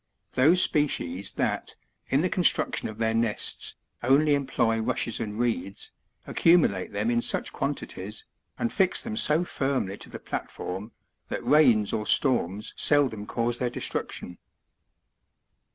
Those species that, in the construction of their nests, only employ rushes and reeds, accumulate them in such quantities, and fix them so firmly to the platform that rains or storms seldom cause their destruction.